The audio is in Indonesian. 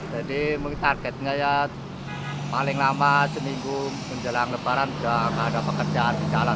jadi targetnya ya paling lama seminggu menjelang lebaran sudah tidak ada pekerjaan di jalan